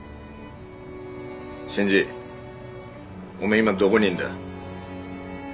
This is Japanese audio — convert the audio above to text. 新次おめえ今どごにいんだ？